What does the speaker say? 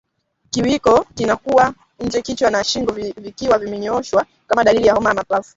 Kiwiko kinakuwa nje kichwa na shingo vikiwa vimenyooshwa kama dalili ya homa ya mapafu